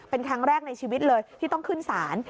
เป็นครั้งแรกในชีวิตเลยที่ต้องขึ้นศาล